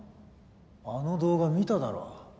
あの動画見ただろ。